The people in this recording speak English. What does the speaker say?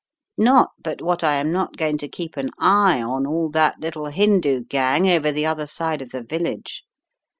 Not but what I am not going to keep an eye on all that little Hindoo gang over the other side of the village.